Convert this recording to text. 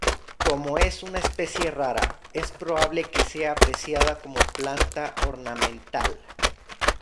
Como es una especie rara, es probable que sea apreciada como planta ornamental.